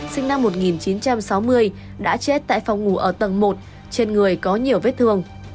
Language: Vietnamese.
sinh năm một nghìn chín trăm sáu mươi đã chết tại phòng ngủ ở tầng một trên người có nhiều vết thương